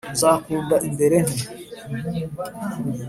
nzakunda imbere nte ?